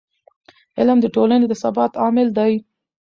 علم د ټولنې د ثبات عامل دی.